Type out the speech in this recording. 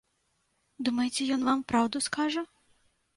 Думаеце, ён вам праўду скажа?